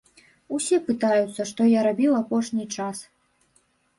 Усе пытаюцца, што я рабіў апошні час.